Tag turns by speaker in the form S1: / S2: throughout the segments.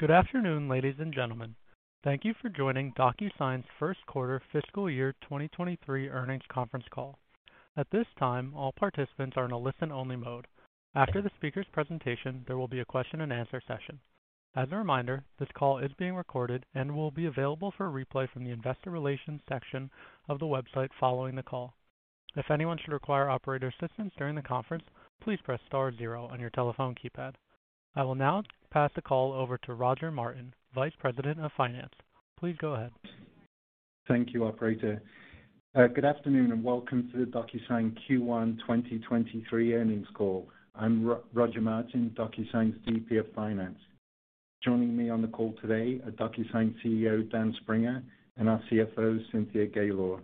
S1: Good afternoon, ladies and gentlemen. Thank you for joining DocuSign's first quarter fiscal year 2023 earnings conference call. At this time, all participants are in a listen-only mode. After the speaker's presentation, there will be a question and answer session. As a reminder, this call is being recorded and will be available for replay from the investor relations section of the website following the call. If anyone should require operator assistance during the conference, please press star zero on your telephone keypad. I will now pass the call over to Roger Martin, Vice President of Finance. Please go ahead.
S2: Thank you, operator. Good afternoon, and welcome to the DocuSign Q1 2023 earnings call. I'm Roger Martin, DocuSign's VP of Finance. Joining me on the call today are DocuSign CEO, Dan Springer, and our CFO, Cynthia Gaylor.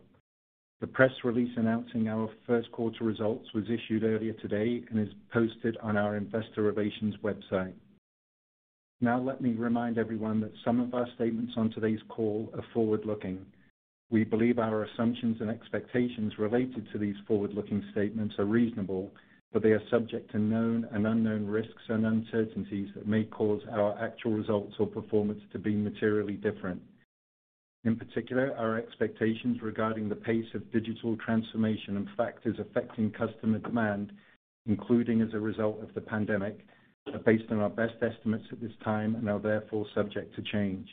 S2: The press release announcing our first quarter results was issued earlier today and is posted on our investor relations website. Now let me remind everyone that some of our statements on today's call are forward-looking. We believe our assumptions and expectations related to these forward-looking statements are reasonable, but they are subject to known and unknown risks and uncertainties that may cause our actual results or performance to be materially different. In particular, our expectations regarding the pace of digital transformation and factors affecting customer demand, including as a result of the pandemic, are based on our best estimates at this time and are therefore subject to change.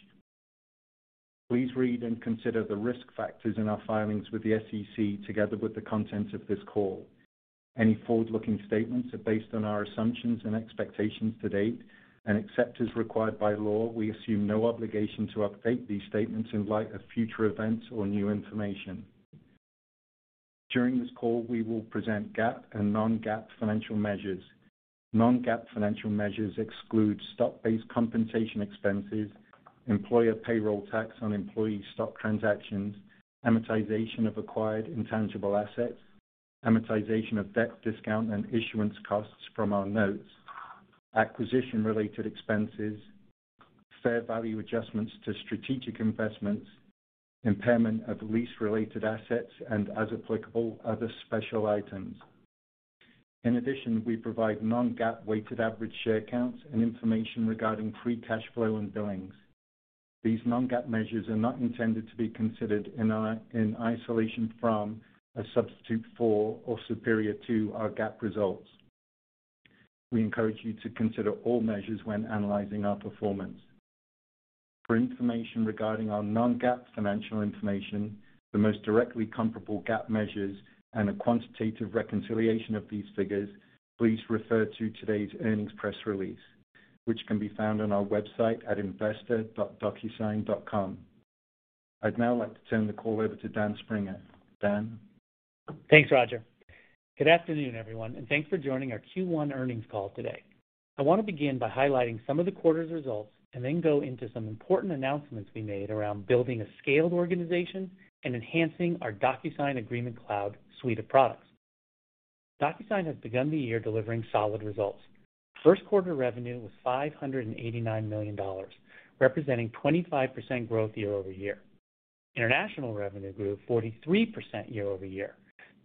S2: Please read and consider the risk factors in our filings with the SEC together with the contents of this call. Any forward-looking statements are based on our assumptions and expectations to date, and except as required by law, we assume no obligation to update these statements in light of future events or new information. During this call, we will present GAAP and non-GAAP financial measures. Non-GAAP financial measures exclude stock-based compensation expenses, employer payroll tax on employee stock transactions, amortization of acquired intangible assets, amortization of debt discount and issuance costs from our notes, acquisition related expenses, fair value adjustments to strategic investments, impairment of lease-related assets, and as applicable, other special items. In addition, we provide non-GAAP weighted average share counts and information regarding free cash flow and billings. These non-GAAP measures are not intended to be considered in isolation from a substitute for or superior to our GAAP results. We encourage you to consider all measures when analyzing our performance. For information regarding our non-GAAP financial information, the most directly comparable GAAP measures and a quantitative reconciliation of these figures, please refer to today's earnings press release, which can be found on our website at investor.docusign.com. I'd now like to turn the call over to Dan Springer. Dan?
S3: Thanks, Roger. Good afternoon, everyone, and thanks for joining our Q1 earnings call today. I want to begin by highlighting some of the quarter's results and then go into some important announcements we made around building a scaled organization and enhancing our DocuSign Agreement Cloud suite of products. DocuSign has begun the year delivering solid results. First quarter revenue was $589 million, representing 25% growth year-over-year. International revenue grew 43% year-over-year,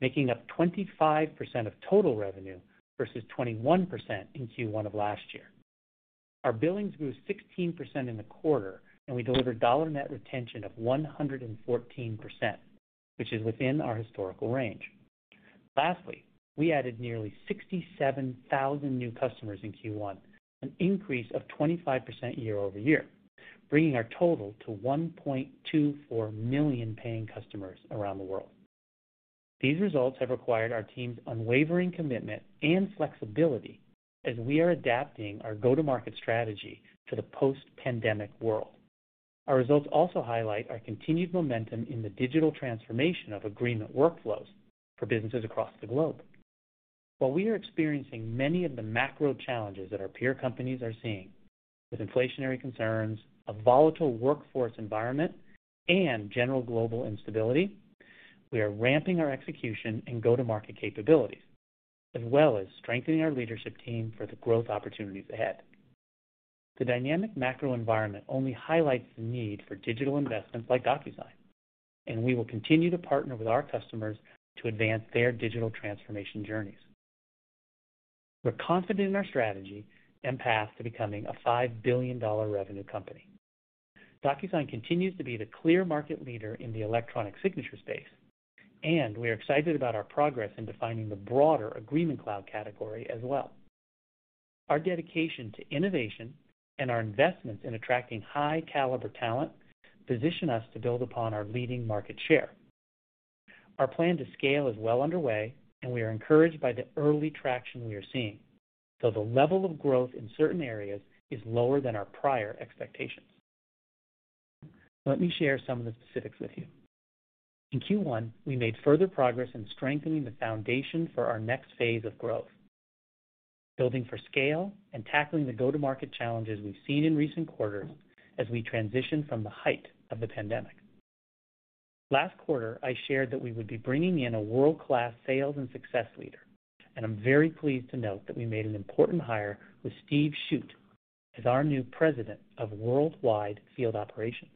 S3: making up 25% of total revenue versus 21% in Q1 of last year. Our billings grew 16% in the quarter, and we delivered dollar net retention of 114%, which is within our historical range. Lastly, we added nearly 67,000 new customers in Q1, an increase of 25% year-over-year, bringing our total to $1.24 million paying customers around the world. These results have required our team's unwavering commitment and flexibility as we are adapting our go-to-market strategy to the post-pandemic world. Our results also highlight our continued momentum in the digital transformation of agreement workflows for businesses across the globe. While we are experiencing many of the macro challenges that our peer companies are seeing, with inflationary concerns, a volatile workforce environment, and general global instability, we are ramping our execution and go-to-market capabilities, as well as strengthening our leadership team for the growth opportunities ahead. The dynamic macro environment only highlights the need for digital investments like DocuSign, and we will continue to partner with our customers to advance their digital transformation journeys. We're confident in our strategy and path to becoming a $5 billion revenue company. DocuSign continues to be the clear market leader in the electronic signature space, and we are excited about our progress in defining the broader Agreement Cloud category as well. Our dedication to innovation and our investments in attracting high caliber talent position us to build upon our leading market share. Our plan to scale is well underway, and we are encouraged by the early traction we are seeing, though the level of growth in certain areas is lower than our prior expectations. Let me share some of the specifics with you. In Q1, we made further progress in strengthening the foundation for our next phase of growth, building for scale and tackling the go-to-market challenges we've seen in recent quarters as we transition from the height of the pandemic. Last quarter, I shared that we would be bringing in a world-class sales and success leader, and I'm very pleased to note that we made an important hire with Steve Shute as our new President of Worldwide Field Operations.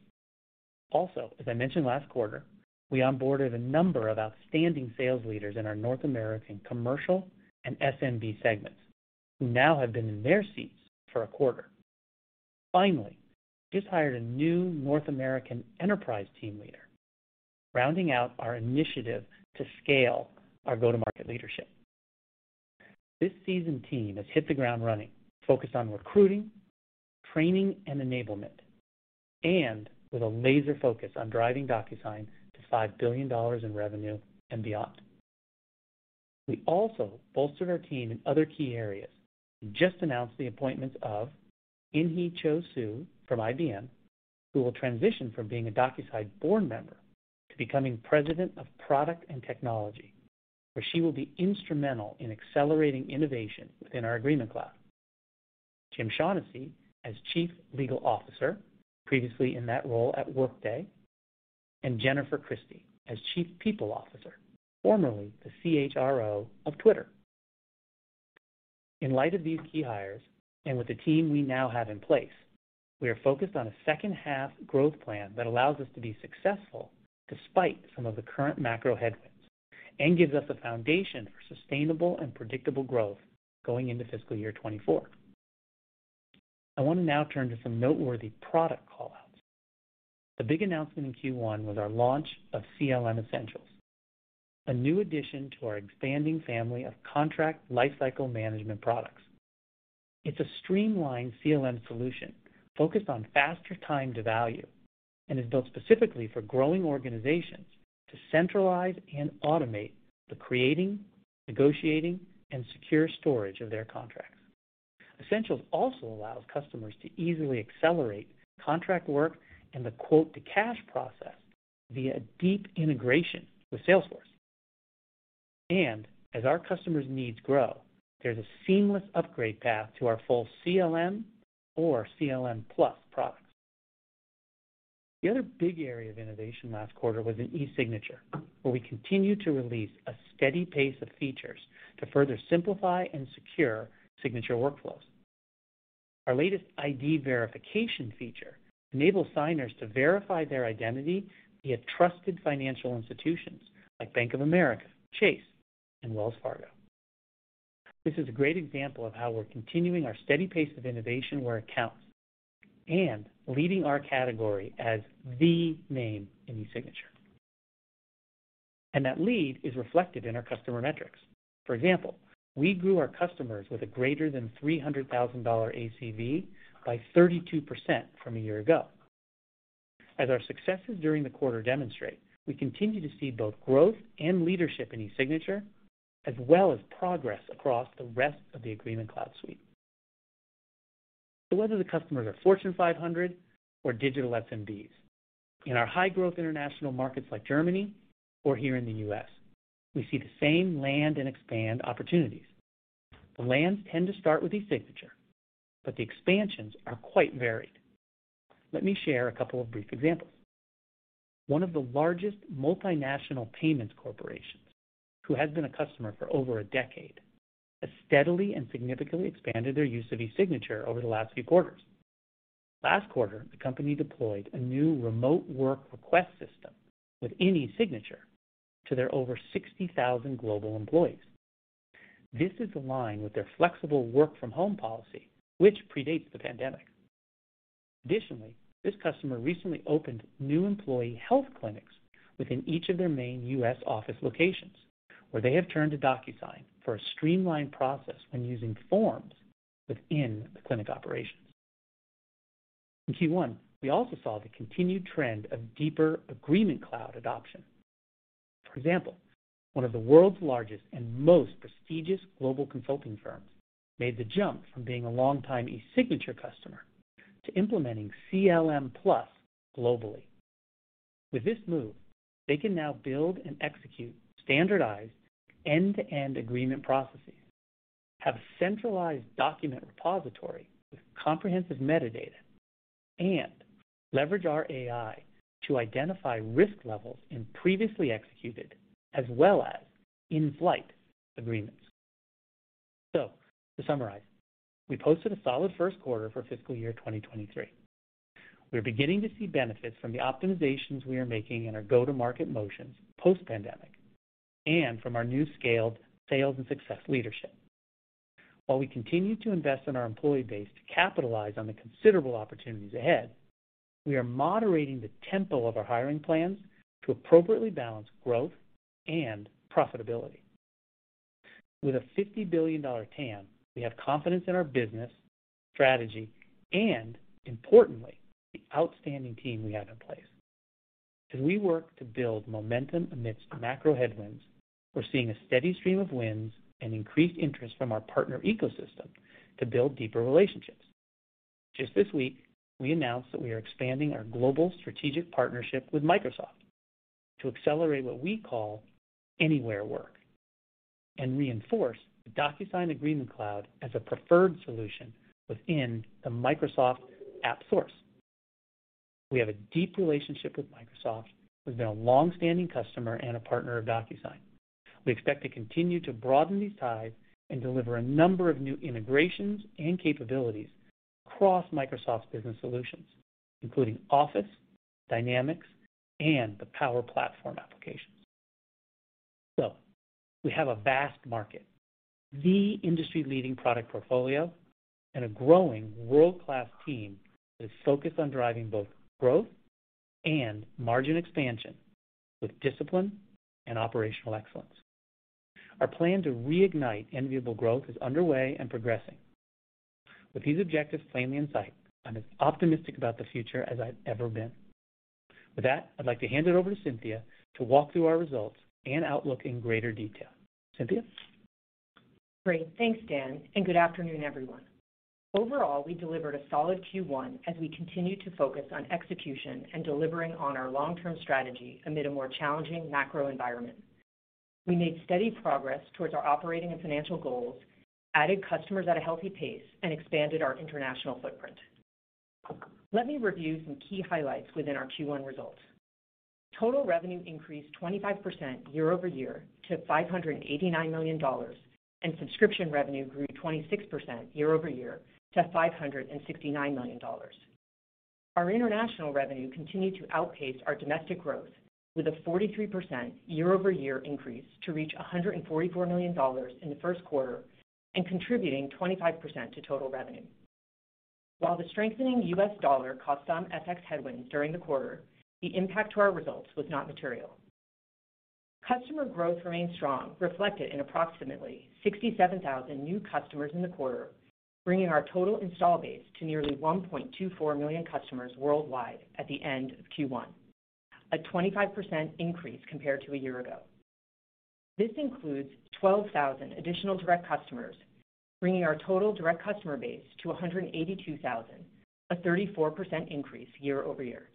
S3: Also, as I mentioned last quarter, we onboarded a number of outstanding sales leaders in our North American commercial and SMB segments who now have been in their seats for a quarter. Finally, just hired a new North American enterprise team leader, rounding out our initiative to scale our go-to-market leadership. This seasoned team has hit the ground running, focused on recruiting, training, and enablement, and with a laser focus on driving DocuSign to $5 billion in revenue and beyond. We also bolstered our team in other key areas and just announced the appointments of Inhi Cho Suh from IBM, who will transition from being a DocuSign board member to becoming President of Product and Technology, where she will be instrumental in accelerating innovation within our Agreement Cloud. Jim Shaughnessy as Chief Legal Officer, previously in that role at Workday, and Jennifer Christie as Chief People Officer, formerly the CHRO of Twitter. In light of these key hires, and with the team we now have in place, we are focused on a second half growth plan that allows us to be successful despite some of the current macro headwinds, and gives us a foundation for sustainable and predictable growth going into fiscal year 2024. I want to now turn to some noteworthy product call-outs. The big announcement in Q1 was our launch of CLM Essentials, a new addition to our expanding family of contract lifecycle management products. It's a streamlined CLM solution focused on faster time to value, and is built specifically for growing organizations to centralize and automate the creating, negotiating, and secure storage of their contracts. Essentials also allows customers to easily accelerate contract work and the quote-to-cash process via deep integration with Salesforce. As our customers' needs grow, there's a seamless upgrade path to our full CLM or CLM+ products. The other big area of innovation last quarter was in eSignature, where we continue to release a steady pace of features to further simplify and secure signature workflows. Our latest ID verification feature enables signers to verify their identity via trusted financial institutions like Bank of America, Chase, and Wells Fargo. This is a great example of how we're continuing our steady pace of innovation where it counts, and leading our category as the name in eSignature. That lead is reflected in our customer metrics. For example, we grew our customers with a greater than $300,000 ACV by 32% from a year ago. As our successes during the quarter demonstrate, we continue to see both growth and leadership in eSignature, as well as progress across the rest of the Agreement Cloud suite. Whether the customers are Fortune 500 or digital SMBs, in our high-growth international markets like Germany or here in the U.S., we see the same land and expand opportunities. The lands tend to start with eSignature, but the expansions are quite varied. Let me share a couple of brief examples. One of the largest multinational payments corporations, who has been a customer for over a decade, has steadily and significantly expanded their use of eSignature over the last few quarters. Last quarter, the company deployed a new remote work request system with eSignature to their over 60,000 global employees. This is aligned with their flexible work from home policy, which predates the pandemic. Additionally, this customer recently opened new employee health clinics within each of their main U.S. office locations, where they have turned to DocuSign for a streamlined process when using forms within the clinic operations. In Q1, we also saw the continued trend of deeper Agreement Cloud adoption. For example, one of the world's largest and most prestigious global consulting firms made the jump from being a longtime eSignature customer to implementing CLM+ globally. With this move, they can now build and execute standardized end-to-end agreement processes, have a centralized document repository with comprehensive metadata, and leverage our AI to identify risk levels in previously executed as well as in-flight agreements. To summarize, we posted a solid first quarter for fiscal year 2023. We are beginning to see benefits from the optimizations we are making in our go-to-market motions post-pandemic and from our new scaled sales and success leadership. While we continue to invest in our employee base to capitalize on the considerable opportunities ahead, we are moderating the tempo of our hiring plans to appropriately balance growth and profitability. With a $50 billion TAM, we have confidence in our business, strategy, and importantly, the outstanding team we have in place. As we work to build momentum amidst macro headwinds, we're seeing a steady stream of wins and increased interest from our partner ecosystem to build deeper relationships. Just this week, we announced that we are expanding our global strategic partnership with Microsoft to accelerate what we call anywhere work and reinforce the DocuSign Agreement Cloud as a preferred solution within the Microsoft AppSource. We have a deep relationship with Microsoft, who's been a long-standing customer and a partner of DocuSign. We expect to continue to broaden these ties and deliver a number of new integrations and capabilities across Microsoft's business solutions, including Office, Dynamics, and the Power Platform applications. We have a vast market, the industry-leading product portfolio, and a growing world-class team that is focused on driving both growth and margin expansion with discipline and operational excellence. Our plan to reignite enviable growth is underway and progressing. With these objectives plainly in sight, I'm as optimistic about the future as I've ever been. With that, I'd like to hand it over to Cynthia to walk through our results and outlook in greater detail. Cynthia?
S4: Great. Thanks, Dan, and good afternoon, everyone. Overall, we delivered a solid Q1 as we continue to focus on execution and delivering on our long-term strategy amid a more challenging macro environment. We made steady progress towards our operating and financial goals, added customers at a healthy pace, and expanded our international footprint. Let me review some key highlights within our Q1 results. Total revenue increased 25% year-over-year to $589 million, and subscription revenue grew 26% year-over-year to $569 million. Our international revenue continued to outpace our domestic growth with a 43% year-over-year increase to reach $144 million in the first quarter and contributing 25% to total revenue. While the strengthening US dollar caused some FX headwinds during the quarter, the impact to our results was not material. Customer growth remained strong, reflected in approximately 67,000 new customers in the quarter, bringing our total install base to nearly $1.24 million customers worldwide at the end of Q1. A 25% increase compared to a year ago. This includes 12,000 additional direct customers, bringing our total direct customer base to 182,000, a 34% increase year-over-year.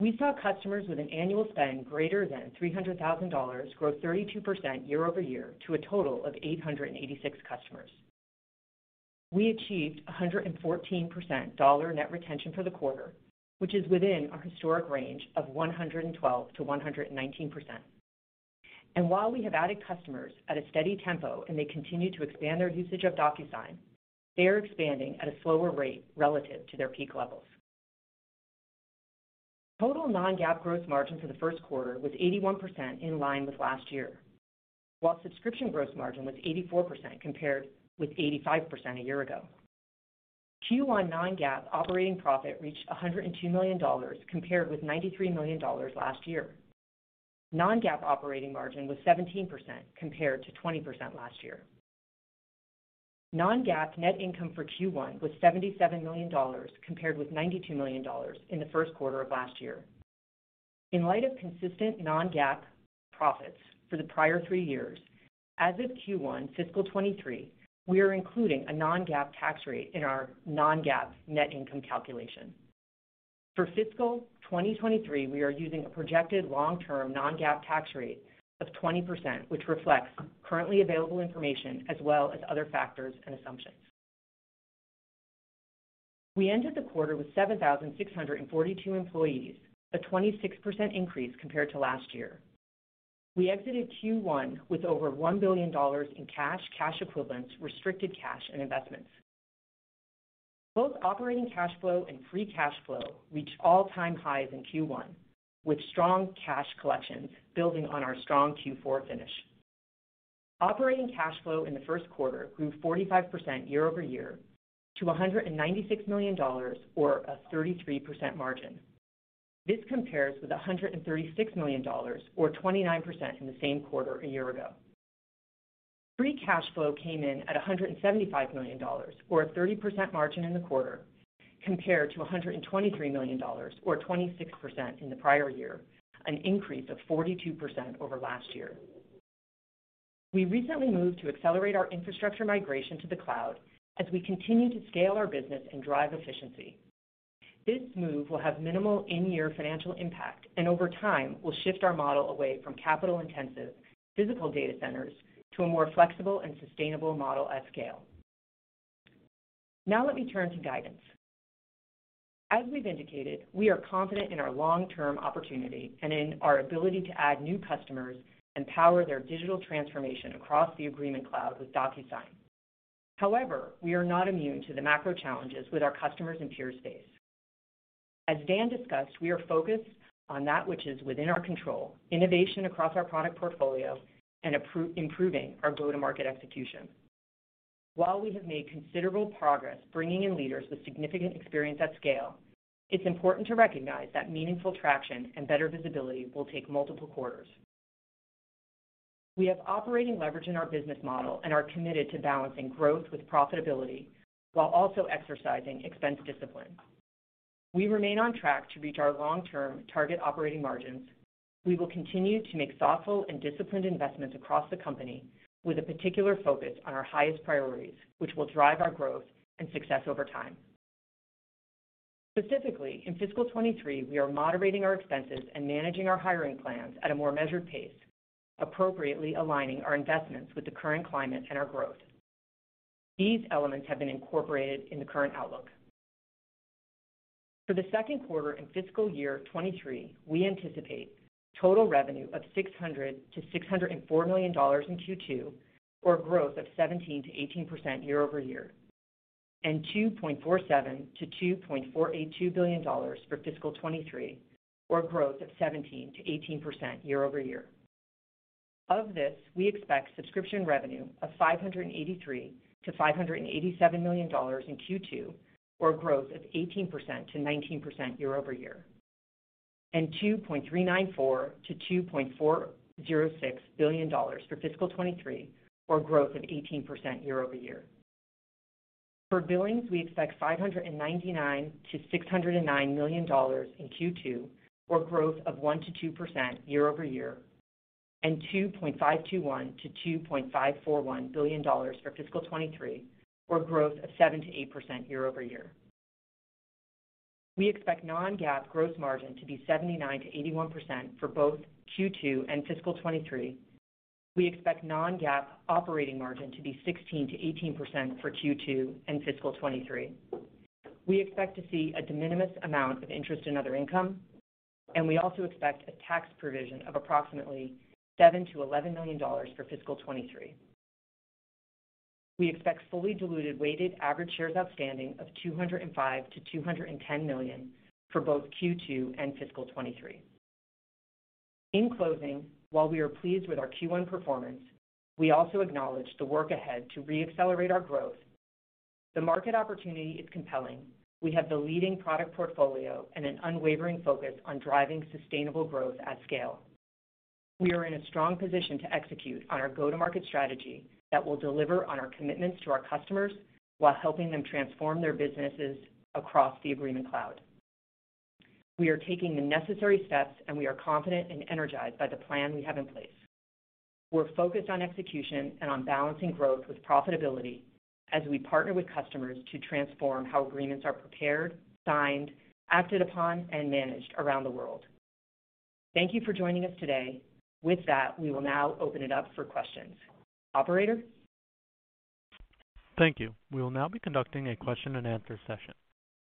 S4: We saw customers with an annual spend greater than $300,000 grow 32% year-over-year to a total of 886 customers. We achieved 114% dollar net retention for the quarter, which is within our historic range of 112%-119%. While we have added customers at a steady tempo and they continue to expand their usage of DocuSign, they are expanding at a slower rate relative to their peak levels. Total non-GAAP gross margin for the first quarter was 81% in line with last year, while subscription gross margin was 84% compared with 85% a year ago. Q1 non-GAAP operating profit reached $102 million compared with $93 million last year. Non-GAAP operating margin was 17% compared to 20% last year. Non-GAAP net income for Q1 was $77 million compared with $92 million in the first quarter of last year. In light of consistent non-GAAP profits for the prior three years, as of Q1 fiscal 2023, we are including a non-GAAP tax rate in our non-GAAP net income calculation. For fiscal 2023, we are using a projected long-term non-GAAP tax rate of 20%, which reflects currently available information as well as other factors and assumptions. We ended the quarter with 7,642 employees, a 26% increase compared to last year. We exited Q1 with over $1 billion in cash equivalents, restricted cash, and investments. Both operating cash flow and free cash flow reached all-time highs in Q1, with strong cash collections building on our strong Q4 finish. Operating cash flow in the first quarter grew 45% year-over-year to $196 million or a 33% margin. This compares with $136 million or 29% in the same quarter a year ago. Free cash flow came in at $175 million or a 30% margin in the quarter compared to $123 million or 26% in the prior year, an increase of 42% over last year. We recently moved to accelerate our infrastructure migration to the cloud as we continue to scale our business and drive efficiency. This move will have minimal in-year financial impact and over time will shift our model away from capital-intensive physical data centers to a more flexible and sustainable model at scale. Now let me turn to guidance. As we've indicated, we are confident in our long-term opportunity and in our ability to add new customers and power their digital transformation across the Agreement Cloud with DocuSign. However, we are not immune to the macro challenges with our customers and peer space. As Dan discussed, we are focused on that which is within our control, innovation across our product portfolio, and improving our go-to-market execution. While we have made considerable progress bringing in leaders with significant experience at scale, it's important to recognize that meaningful traction and better visibility will take multiple quarters. We have operating leverage in our business model and are committed to balancing growth with profitability while also exercising expense discipline. We remain on track to reach our long-term target operating margins. We will continue to make thoughtful and disciplined investments across the company with a particular focus on our highest priorities, which will drive our growth and success over time. Specifically, in fiscal 2023, we are moderating our expenses and managing our hiring plans at a more measured pace, appropriately aligning our investments with the current climate and our growth. These elements have been incorporated in the current outlook. For the second quarter and fiscal year 2023, we anticipate total revenue of $600 million-$604 million in Q2, or growth of 17%-18% year-over-year, and $2.47 billion-$2.482 billion for fiscal 2023, or growth of 17%-18% year-over-year. Of this, we expect subscription revenue of $583 million-$587 million in Q2, or growth of 18%-19% year-over-year, and $2.394 billion-$2.406 billion for fiscal 2023, or growth of 18% year-over-year. For billings, we expect $599 million-$609 million in Q2, or growth of 1%-2% year-over-year, and $2.521 billion-$2.541 billion for fiscal 2023, or growth of 7%-8% year-over-year. We expect non-GAAP gross margin to be 79%-81% for both Q2 and fiscal 2023. We expect non-GAAP operating margin to be 16%-18% for Q2 and fiscal 2023. We expect to see a de minimis amount of interest and other income, and we also expect a tax provision of approximately $7 million-$11 million for fiscal 2023. We expect fully diluted weighted average shares outstanding of $205 million-$210 million for both Q2 and fiscal 2023. In closing, while we are pleased with our Q1 performance, we also acknowledge the work ahead to re-accelerate our growth. The market opportunity is compelling. We have the leading product portfolio and an unwavering focus on driving sustainable growth at scale. We are in a strong position to execute on our go-to-market strategy that will deliver on our commitments to our customers while helping them transform their businesses across the Agreement Cloud. We are taking the necessary steps, and we are confident and energized by the plan we have in place. We're focused on execution and on balancing growth with profitability as we partner with customers to transform how agreements are prepared, signed, acted upon, and managed around the world. Thank you for joining us today. With that, we will now open it up for questions. Operator?
S1: Thank you. We will now be conducting a question and answer session.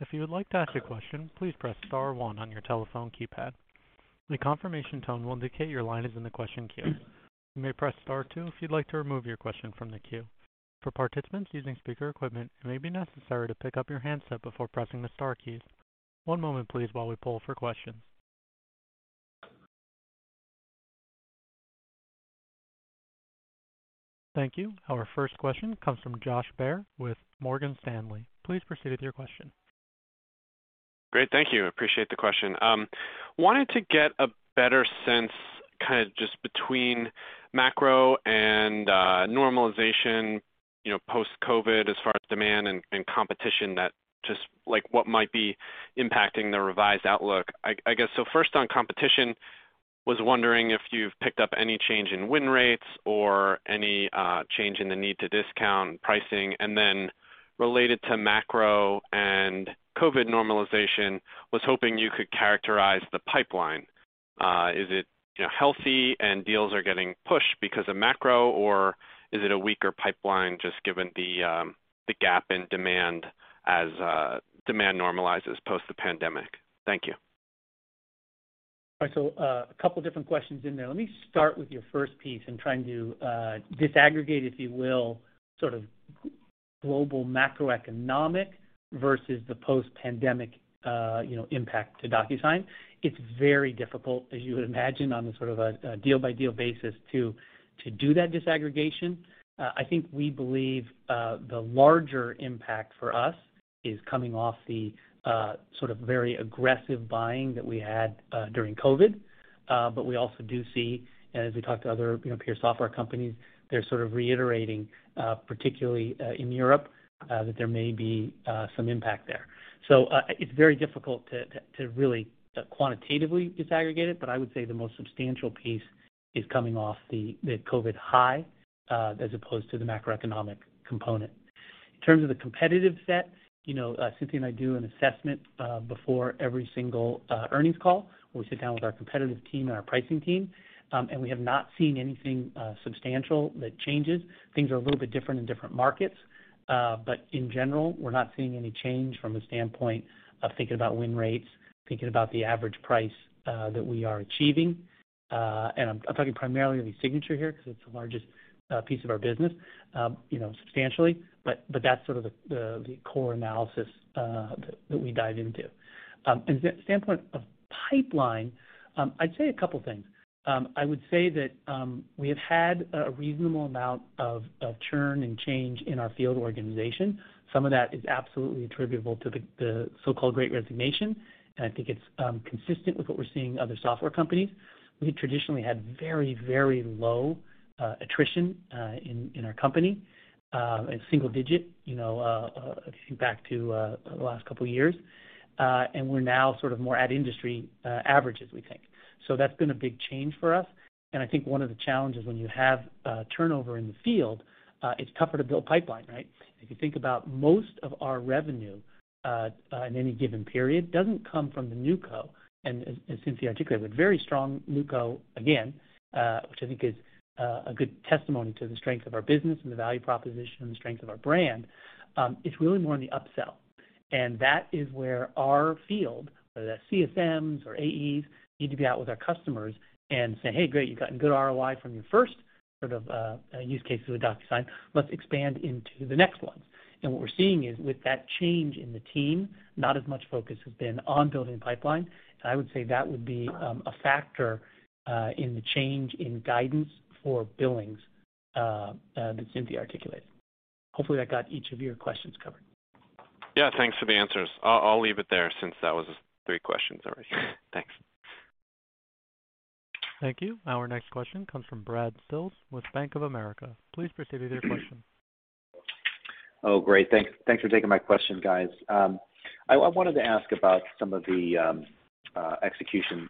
S1: If you would like to ask a question, please press star one on your telephone keypad. The confirmation tone will indicate your line is in the question queue. You may press star two if you'd like to remove your question from the queue. For participants using speaker equipment, it may be necessary to pick up your handset before pressing the star keys. One moment please while we poll for questions. Thank you. Our first question comes from Josh Baer with Morgan Stanley. Please proceed with your question.
S5: Great. Thank you. Appreciate the question. Wanted to get a better sense, kinda just between macro and normalization, you know, post-COVID as far as demand and competition that just, like, what might be impacting the revised outlook. I guess so first on competition, was wondering if you've picked up any change in win rates or any change in the need to discount pricing. Then related to macro and COVID normalization, was hoping you could characterize the pipeline. Is it, you know, healthy and deals are getting pushed because of macro, or is it a weaker pipeline just given the gap in demand as demand normalizes post the pandemic? Thank you.
S3: All right, a couple different questions in there. Let me start with your first piece in trying to disaggregate, if you will, sort of global macroeconomic versus the post-pandemic, you know, impact to DocuSign. It's very difficult, as you would imagine, on a deal-by-deal basis to do that disaggregation. I think we believe the larger impact for us is coming off the sort of very aggressive buying that we had during COVID. We also do see as we talk to other, you know, peer software companies, they're sort of reiterating, particularly, in Europe, that there may be some impact there. It's very difficult to really quantitatively disaggregate it, but I would say the most substantial piece is coming off the COVID high as opposed to the macroeconomic component. In terms of the competitive set, you know, Cynthia and I do an assessment before every single earnings call. We sit down with our competitive team and our pricing team, and we have not seen anything substantial that changes. Things are a little bit different in different markets, but in general, we're not seeing any change from a standpoint of thinking about win rates, thinking about the average price that we are achieving. I'm talking primarily of eSignature here because it's the largest piece of our business, you know, substantially, but that's sort of the core analysis that we dive into. From the standpoint of pipeline, I'd say a couple things. I would say that we have had a reasonable amount of churn and change in our field organization. Some of that is absolutely attributable to the so-called Great Resignation, and I think it's consistent with what we're seeing in other software companies. We traditionally had very low attrition in our company in single digit, you know, if you think back to the last couple years. We're now sort of more at industry averages, we think. That's been a big change for us, and I think one of the challenges when you have turnover in the field, it's tougher to build pipeline, right? If you think about most of our revenue in any given period doesn't come from the NewCo. As Cynthia articulated, a very strong NewCo, again, which I think is a good testimony to the strength of our business and the value proposition and the strength of our brand. It's really more on the upsell. That is where our field, whether that's CSMs or AEs, need to be out with our customers and say, "Hey, great, you've gotten good ROI from your first sort of use case with DocuSign. Let's expand into the next one." What we're seeing is with that change in the team, not as much focus has been on building pipeline. I would say that would be a factor in the change in guidance for billings that Cynthia articulated. Hopefully, that got each of your questions covered.
S5: Yeah, thanks for the answers. I'll leave it there since that was three questions already. Thanks.
S1: Thank you. Our next question comes from Brad Sills with Bank of America. Please proceed with your question.
S6: Oh, great. Thanks. Thanks for taking my question, guys. I wanted to ask about some of the execution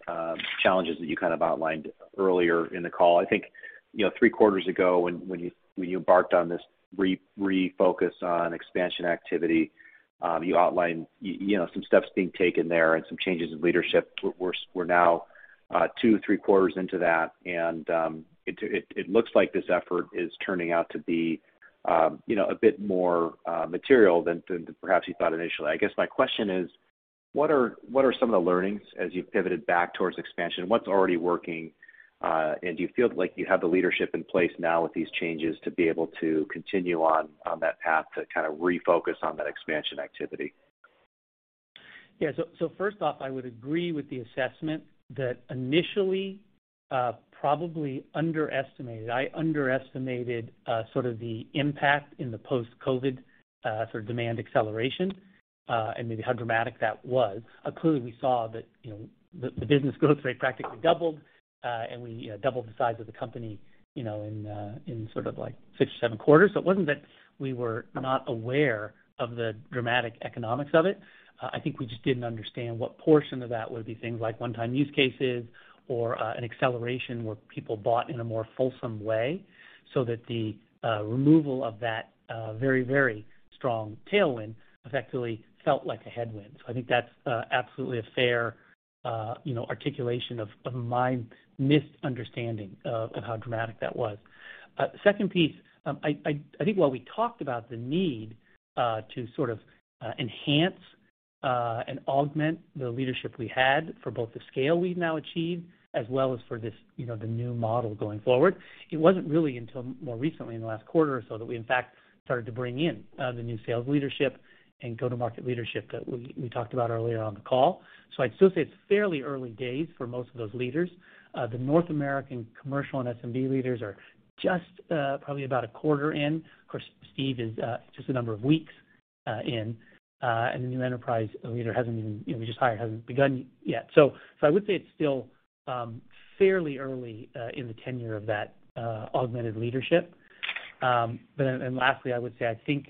S6: challenges that you kind of outlined earlier in the call. I think, you know, three quarters ago when you embarked on this refocus on expansion activity, you outlined, you know, some steps being taken there and some changes in leadership. We're now two, three quarters into that, and it looks like this effort is turning out to be, you know, a bit more material than perhaps you thought initially. I guess my question is, what are some of the learnings as you've pivoted back towards expansion? What's already working, and do you feel like you have the leadership in place now with these changes to be able to continue on that path to kind of refocus on that expansion activity?
S3: Yeah. First off, I would agree with the assessment that initially probably underestimated. I underestimated sort of the impact in the post-COVID sort of demand acceleration and maybe how dramatic that was. Clearly, we saw that, you know, the business growth rate practically doubled and we, you know, doubled the size of the company, you know, in sort of like six or seven quarters. It wasn't that we were not aware of the dramatic economics of it. I think we just didn't understand what portion of that would be things like one-time use cases or an acceleration where people bought in a more fulsome way, so that the removal of that very strong tailwind effectively felt like a headwind. I think that's absolutely a fair you know articulation of my misunderstanding of how dramatic that was. Second piece, I think while we talked about the need to sort of enhance and augment the leadership we had for both the scale we've now achieved, as well as for this you know the new model going forward, it wasn't really until more recently in the last quarter or so that we in fact started to bring in the new sales leadership and go-to-market leadership that we talked about earlier on the call. I'd still say it's fairly early days for most of those leaders. The North American commercial and SMB leaders are just probably about a quarter in. Of course, Steve is just a number of weeks in, and the new enterprise leader hasn't even, you know, we just hired, hasn't begun yet. I would say it's still fairly early in the tenure of that augmented leadership. Lastly, I would say, I think,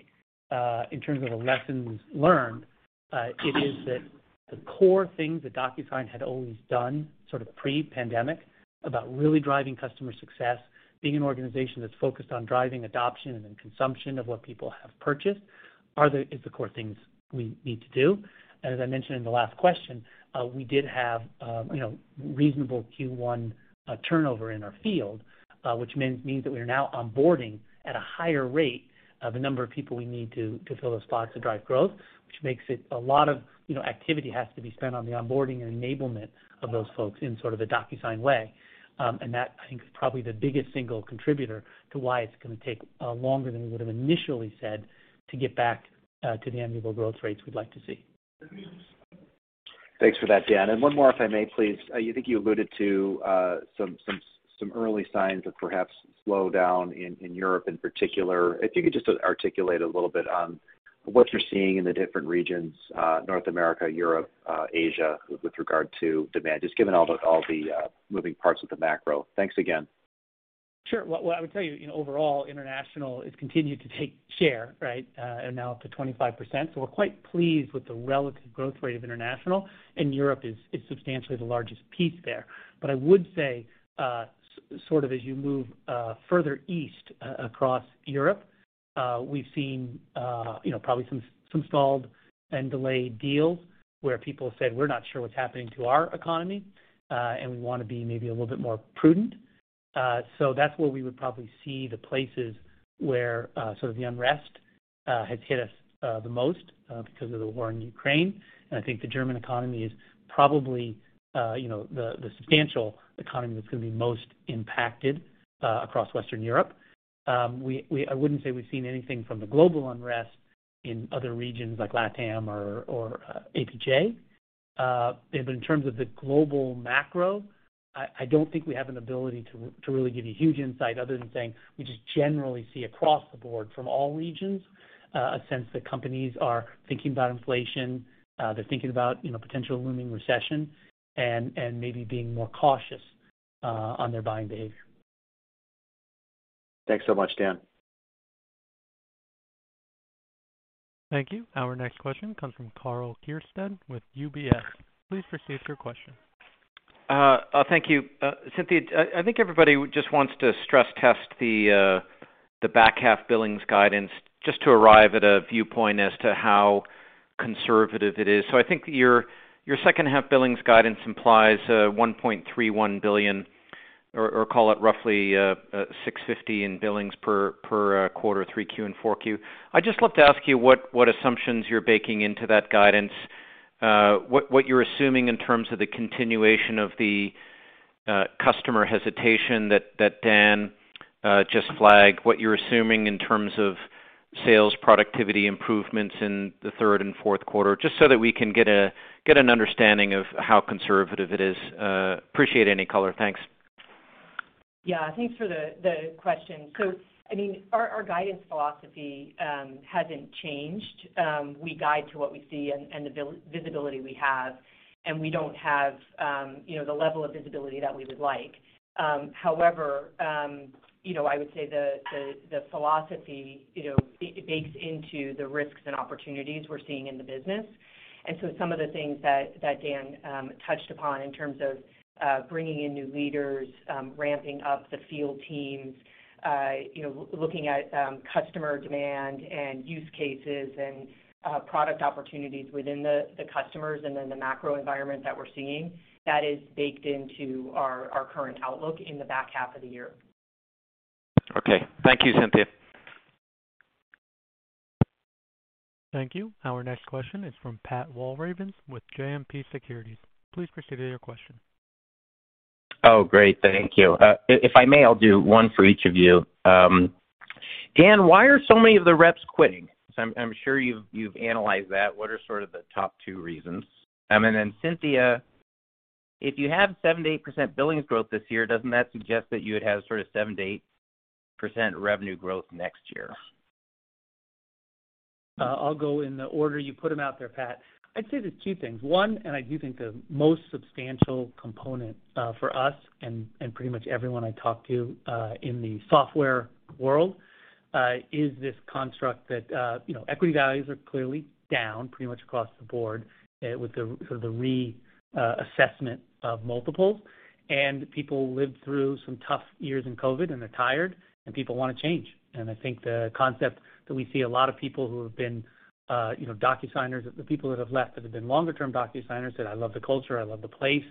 S3: in terms of the lessons learned, it is that the core things that DocuSign had always done sort of pre-pandemic about really driving customer success, being an organization that's focused on driving adoption and then consumption of what people have purchased is the core things we need to do. As I mentioned in the last question, we did have, you know, reasonable Q1 turnover in our field, which means that we are now onboarding at a higher rate of the number of people we need to fill those spots to drive growth, which makes it a lot of, you know, activity has to be spent on the onboarding and enablement of those folks in sort of a DocuSign way. That, I think, is probably the biggest single contributor to why it's gonna take longer than we would've initially said to get back to the annual growth rates we'd like to see.
S6: Thanks for that, Dan. One more, if I may please. You think you alluded to some early signs of perhaps slowdown in Europe in particular. If you could just articulate a little bit on what you're seeing in the different regions, North America, Europe, Asia, with regard to demand, just given all the moving parts of the macro. Thanks again.
S3: Sure. Well, what I would tell you know, overall international has continued to take share, right? And now up to 25%. We're quite pleased with the relative growth rate of international, and Europe is substantially the largest piece there. But I would say sort of as you move further east across Europe, we've seen, you know, probably some stalled and delayed deals where people have said, "We're not sure what's happening to our economy, and we wanna be maybe a little bit more prudent." So that's where we would probably see the places where sort of the unrest has hit us the most because of the war in Ukraine. I think the German economy is probably, you know, the substantial economy that's gonna be most impacted across Western Europe. I wouldn't say we've seen anything from the global unrest in other regions like LATAM or APJ. In terms of the global macro, I don't think we have an ability to really give you huge insight other than saying we just generally see across the board from all regions a sense that companies are thinking about inflation. They're thinking about, you know, potential looming recession and maybe being more cautious on their buying behavior.
S6: Thanks so much, Dan.
S1: Thank you. Our next question comes from Karl Keirstead with UBS. Please proceed with your question.
S7: Thank you. Cynthia, I think everybody just wants to stress test the back half billings guidance just to arrive at a viewpoint as to how conservative it is. I think your second half billings guidance implies $1.31 billion, or call it roughly $650 million in billings per quarter, Q3 and Q4. I'd just love to ask you what assumptions you're baking into that guidance, what you're assuming in terms of the continuation of the customer hesitation that Dan just flagged, what you're assuming in terms of sales productivity improvements in the third and fourth quarter, just so that we can get an understanding of how conservative it is. Appreciate any color. Thanks.
S4: Yeah. Thanks for the question. I mean, our guidance philosophy hasn't changed. We guide to what we see and the visibility we have, and we don't have, you know, the level of visibility that we would like. However, you know, I would say the philosophy, you know, bakes into the risks and opportunities we're seeing in the business. Some of the things that Dan touched upon in terms of bringing in new leaders, ramping up the field teams, you know, looking at customer demand and use cases and product opportunities within the customers and then the macro environment that we're seeing, that is baked into our current outlook in the back half of the year.
S7: Okay. Thank you, Cynthia.
S1: Thank you. Our next question is from Patrick Walravens with JMP Securities. Please proceed with your question.
S8: Oh, great. Thank you. If I may, I'll do one for each of you. Dan, why are so many of the reps quitting? I'm sure you've analyzed that. What are sort of the top two reasons? And then Cynthia, if you have 7%-8% billings growth this year, doesn't that suggest that you would have sort of 7%-8% revenue growth next year?
S3: I'll go in the order you put them out there, Pat. I'd say there's two things. One, I do think the most substantial component for us and pretty much everyone I talk to in the software world is this construct that you know, equity values are clearly down pretty much across the board with the sort of reassessment of multiples. People lived through some tough years in COVID, and they're tired and people wanna change. I think the concept that we see a lot of people who have been you know, DocuSigners, the people that have left that have been longer term DocuSigners, said, "I love the culture, I love the place.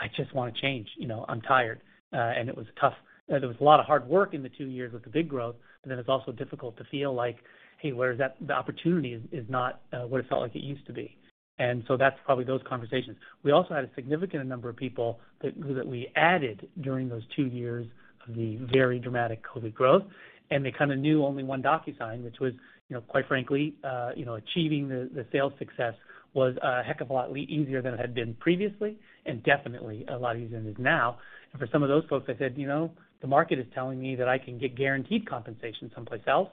S3: I just wanna change. You know, I'm tired." It was tough. There was a lot of hard work in the two years with the big growth, and then it's also difficult to feel like, hey, where is that. The opportunity is not what it felt like it used to be. That's probably those conversations. We also had a significant number of people that we added during those two years of the very dramatic COVID growth, and they kinda knew only one DocuSign, which was, you know, quite frankly, you know, achieving the sales success was a heck of a lot easier than it had been previously and definitely a lot easier than it is now. For some of those folks, they said, "You know, the market is telling me that I can get guaranteed compensation someplace else.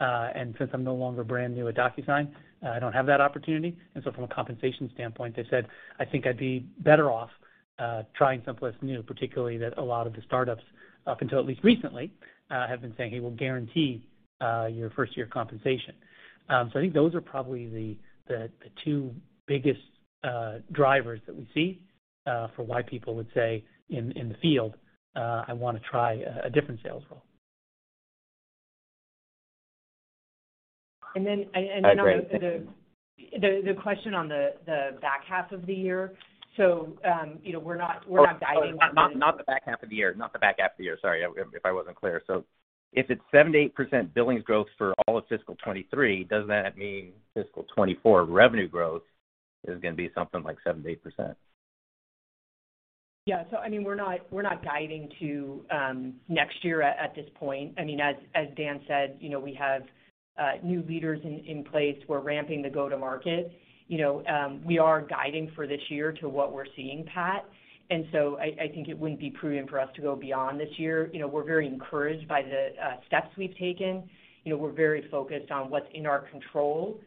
S3: Since I'm no longer brand new at DocuSign, I don't have that opportunity. From a compensation standpoint, they said, "I think I'd be better off trying someplace new," particularly that a lot of the startups, up until at least recently, have been saying, "Hey, we'll guarantee your first year compensation." I think those are probably the two biggest drivers that we see for why people would say in the field, "I wanna try a different sales role.
S4: And then, and then on the-
S8: Great. Thank you.
S4: The question on the back half of the year. You know, we're not guiding-
S8: Not the back half of the year, sorry if I wasn't clear. If it's 7%-8% billings growth for all of fiscal 2023, doesn't that mean fiscal 2024 revenue growth is gonna be something like 7%-8%?
S4: Yeah. I mean, we're not guiding to next year at this point. I mean, as Dan said, you know, we have new leaders in place. We're ramping the go-to-market. You know, we are guiding for this year to what we're seeing, Pat. I think it wouldn't be prudent for us to go beyond this year. You know, we're very encouraged by the steps we've taken. You know, we're very focused on what's in our control,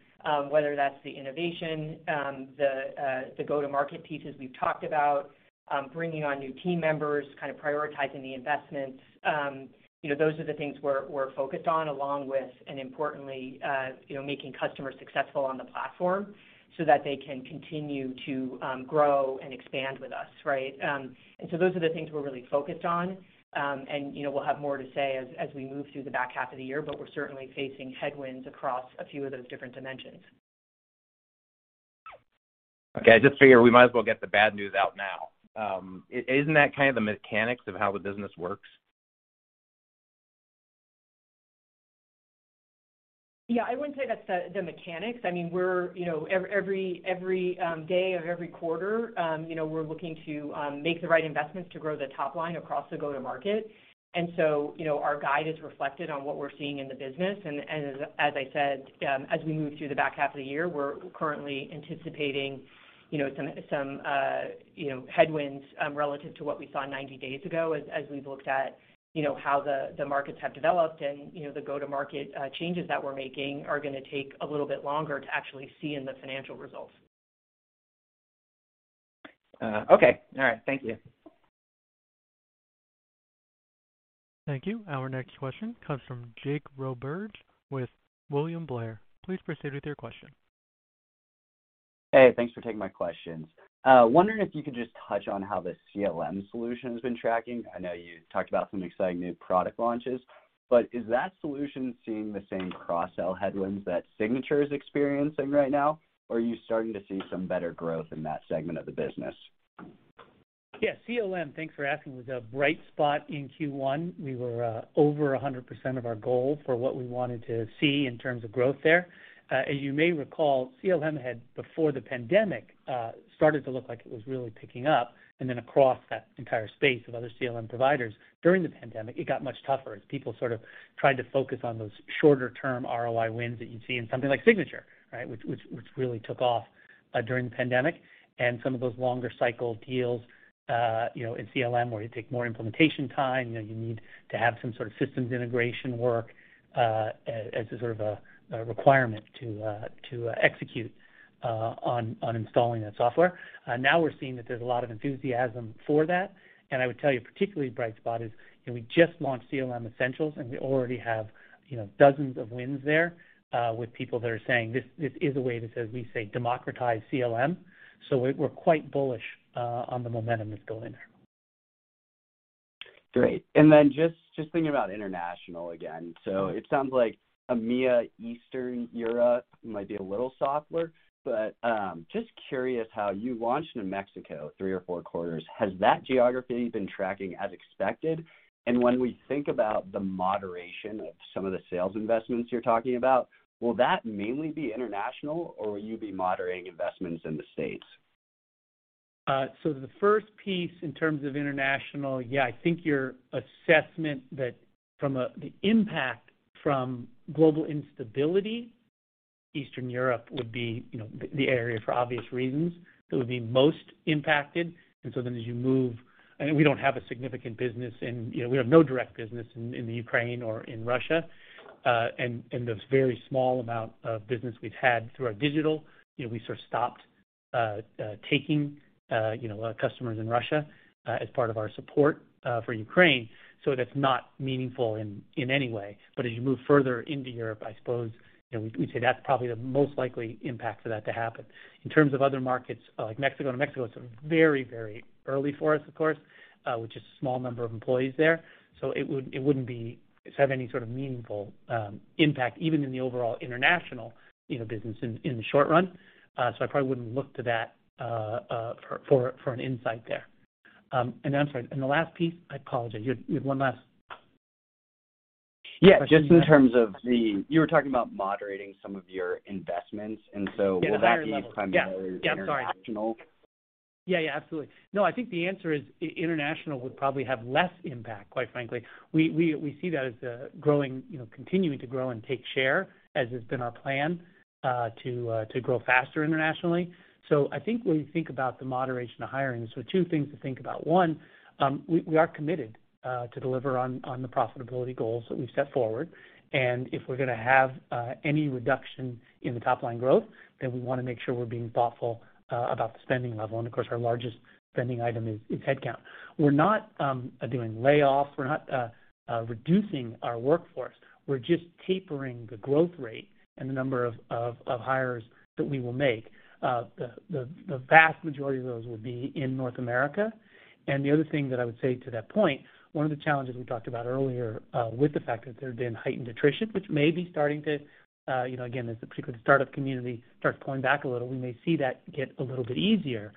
S4: whether that's the innovation, the go-to-market pieces we've talked about, bringing on new team members, kind of prioritizing the investments. You know, those are the things we're focused on along with, and importantly, you know, making customers successful on the platform so that they can continue to grow and expand with us, right? Those are the things we're really focused on. You know, we'll have more to say as we move through the back half of the year, but we're certainly facing headwinds across a few of those different dimensions.
S8: Okay. I just figure we might as well get the bad news out now. Isn't that kind of the mechanics of how the business works?
S4: Yeah, I wouldn't say that's the mechanics. I mean, we're you know, every day of every quarter, you know, we're looking to make the right investments to grow the top line across the go-to-market. You know, our guide is reflected on what we're seeing in the business. As I said, as we move through the back half of the year, we're currently anticipating you know, some you know, headwinds relative to what we saw 90 days ago as we've looked at you know, how the markets have developed and you know, the go-to-market changes that we're making are gonna take a little bit longer to actually see in the financial results.
S8: Okay. All right. Thank you.
S1: Thank you. Our next question comes from Jake Roberge with William Blair. Please proceed with your question.
S9: Hey, thanks for taking my questions. Wondering if you could just touch on how the CLM solution has been tracking. I know you talked about some exciting new product launches, but is that solution seeing the same cross-sell headwinds that eSignature is experiencing right now, or are you starting to see some better growth in that segment of the business?
S3: Yeah, CLM, thanks for asking, was a bright spot in Q1. We were over 100% of our goal for what we wanted to see in terms of growth there. As you may recall, CLM had, before the pandemic, started to look like it was really picking up. Then across that entire space of other CLM providers during the pandemic, it got much tougher as people sort of tried to focus on those shorter term ROI wins that you'd see in something like Signature, right? Which really took off during the pandemic. Some of those longer cycle deals, you know, in CLM, where you take more implementation time, you know, you need to have some sort of systems integration work, as sort of a requirement to execute on installing that software. Now we're seeing that there's a lot of enthusiasm for that. I would tell you a particularly bright spot is, you know, we just launched CLM Essentials, and we already have, you know, dozens of wins there, with people that are saying this is a way to, as we say, democratize CLM. We're quite bullish on the momentum that's going there.
S9: Great. Just thinking about international again. It sounds like EMEA, Eastern Europe might be a little softer, but just curious how you launched in Mexico three or four quarters. Has that geography been tracking as expected? When we think about the moderation of some of the sales investments you're talking about, will that mainly be international or will you be moderating investments in the States?
S3: The first piece in terms of international, yeah, I think your assessment that the impact from global instability, Eastern Europe would be, you know, the area for obvious reasons that would be most impacted. As you move, I mean, we don't have a significant business in, you know, we have no direct business in the Ukraine or in Russia. The very small amount of business we've had through our digital, you know, we sort of stopped taking, you know, customers in Russia as part of our support for Ukraine. That's not meaningful in any way. As you move further into Europe, I suppose, you know, we'd say that's probably the most likely impact for that to happen. In terms of other markets like Mexico. New Mexico is very, very early for us, of course, with just a small number of employees there. It wouldn't have any sort of meaningful impact even in the overall international, you know, business in the short run. I probably wouldn't look to that for an insight there. I'm sorry, and the last piece. I apologize. You had one last question.
S9: You were talking about moderating some of your investments, and so.
S3: Yeah, the hiring level.
S9: Will that be primarily international?
S3: Yeah, yeah, absolutely. No, I think the answer is international would probably have less impact, quite frankly. We see that as a growing, you know, continuing to grow and take share as has been our plan to grow faster internationally. I think when you think about the moderation of hiring, two things to think about. One, we are committed to deliver on the profitability goals that we've set forward. If we're gonna have any reduction in the top line growth, then we wanna make sure we're being thoughtful about the spending level. Of course, our largest spending item is headcount. We're not doing layoffs. We're not reducing our workforce. We're just tapering the growth rate and the number of hires that we will make. The vast majority of those will be in North America. The other thing that I would say to that point, one of the challenges we talked about earlier, with the fact that there had been heightened attrition, which may be starting to, you know, again, as particularly the startup community starts pulling back a little, we may see that get a little bit easier.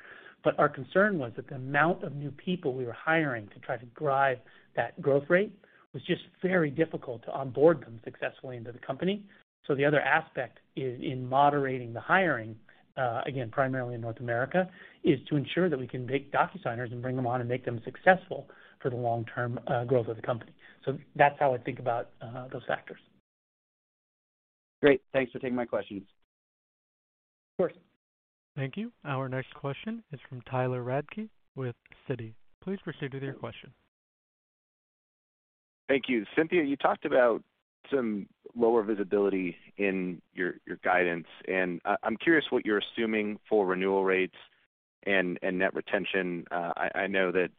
S3: Our concern was that the amount of new people we were hiring to try to drive that growth rate was just very difficult to onboard them successfully into the company. The other aspect is in moderating the hiring, again, primarily in North America, is to ensure that we can take DocuSigners and bring them on and make them successful for the long-term, growth of the company. That's how I think about, those factors.
S9: Great. Thanks for taking my questions.
S3: Of course.
S1: Thank you. Our next question is from Tyler Radke with Citi. Please proceed with your question.
S10: Thank you. Cynthia, you talked about some lower visibility in your guidance, and I'm curious what you're assuming for renewal rates and net retention. I know that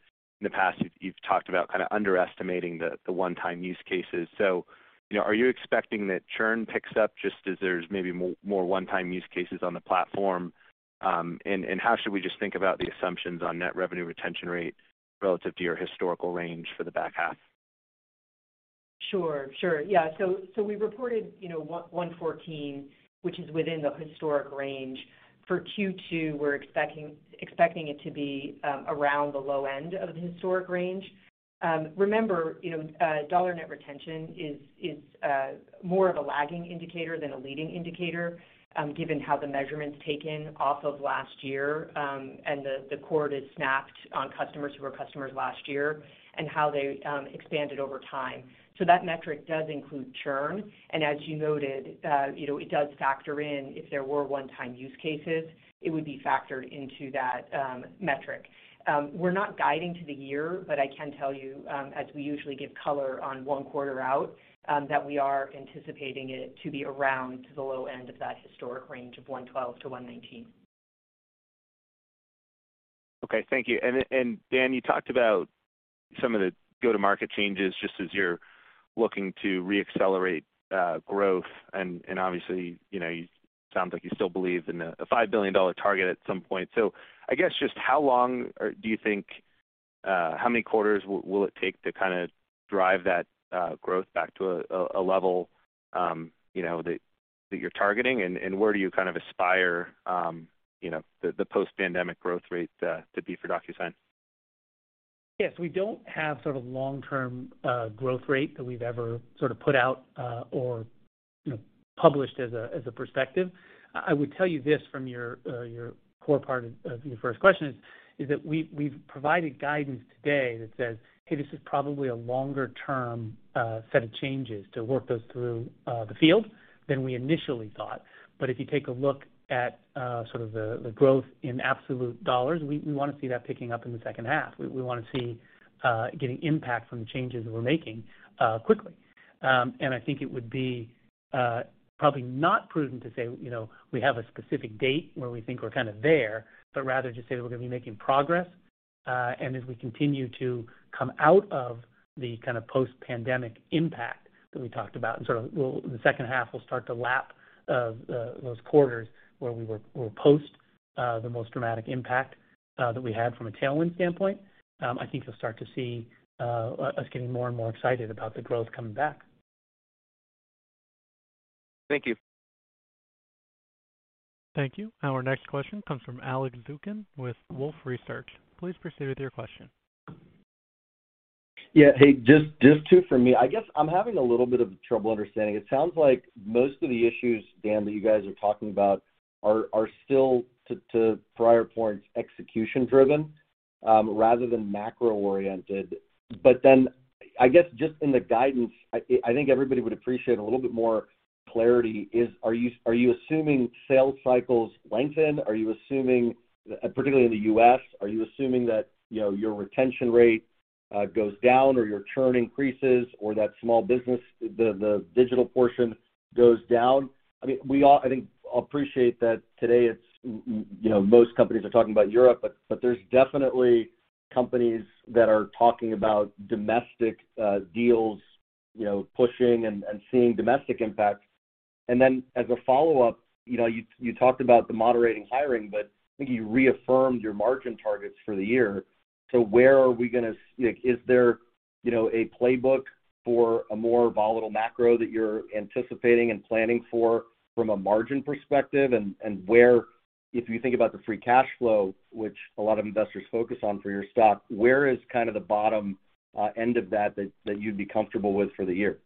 S10: in the past, you've talked about kind of underestimating the one-time use cases. You know, are you expecting that churn picks up just as there's maybe more one-time use cases on the platform? And how should we just think about the assumptions on net revenue retention rate relative to your historical range for the back half?
S4: Sure. Yeah. We reported, you know, 114%, which is within the historic range. For Q2, we're expecting it to be around the low end of the historic range. Remember, you know, dollar net retention is more of a lagging indicator than a leading indicator, given how the measurement's taken off of last year, and the cohort is based on customers who were customers last year and how they expanded over time. That metric does include churn, and as you noted, you know, it does factor in if there were one-time use cases, it would be factored into that metric. We're not guiding to the year, but I can tell you, as we usually give color on one quarter out, that we are anticipating it to be around the low end of that historic range of 112-119.
S10: Okay, thank you. Dan, you talked about some of the go-to-market changes just as you're looking to re-accelerate growth. Obviously, you know, you sound like you still believe in a $5 billion target at some point. I guess just how long or do you think how many quarters will it take to kinda drive that growth back to a level you know that you're targeting? Where do you kind of aspire you know the post-pandemic growth rate to be for DocuSign?
S3: Yes. We don't have sort of long-term growth rate that we've ever sort of put out, or, you know, published as a perspective. I would tell you this from your core part of your first question is that we've provided guidance today that says, "Hey, this is probably a longer term set of changes to work those through the field than we initially thought." If you take a look at sort of the growth in absolute dollars, we wanna see that picking up in the second half. We wanna see getting impact from the changes that we're making quickly. I think it would be probably not prudent to say, you know, we have a specific date where we think we're kind of there, but rather just say that we're gonna be making progress. As we continue to come out of the kind of post-pandemic impact that we talked about, in the second half, we'll start to lap those quarters where we're post the most dramatic impact that we had from a tailwind standpoint. I think you'll start to see us getting more and more excited about the growth coming back.
S10: Thank you.
S1: Thank you. Our next question comes from Alex Zukin with Wolfe Research. Please proceed with your question.
S11: Yeah. Hey, just two from me. I guess I'm having a little bit of trouble understanding. It sounds like most of the issues, Dan, that you guys are talking about are still two prior points, execution driven, rather than macro-oriented. I guess just in the guidance, I think everybody would appreciate a little bit more clarity. Are you assuming sales cycles lengthen? Are you assuming, particularly in the U.S., are you assuming that, you know, your retention rate goes down or your churn increases or that small business, the digital portion goes down? I mean, we all, I think, appreciate that today it's, you know, most companies are talking about Europe, but there's definitely companies that are talking about domestic deals, you know, pushing and seeing domestic impacts. As a follow-up, you know, you talked about the moderating hiring, but I think you reaffirmed your margin targets for the year. Where are we gonna like is there you know a playbook for a more volatile macro that you're anticipating and planning for from a margin perspective? And where if you think about the free cash flow, which a lot of investors focus on for your stock, where is kind of the bottom end of that that you'd be comfortable with for the year?